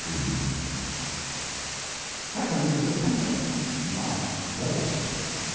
IS " Heaven is a temper, not a place."